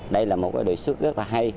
đây là một đề xuất rất hay